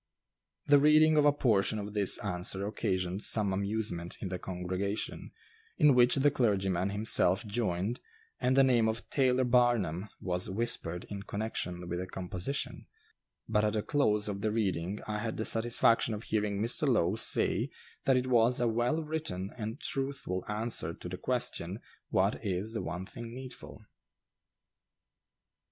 The reading of a portion of this answer occasioned some amusement in the congregation, in which the clergyman himself joined, and the name of "Taylor Barnum" was whispered in connection with the composition; but at the close of the reading I had the satisfaction of hearing Mr. Lowe say that it was a well written and truthful answer to the question, "What is the one thing needful?"